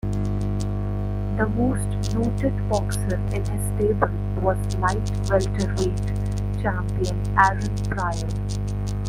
The most noted boxer in his stable was light-welterweight champion Aaron Pryor.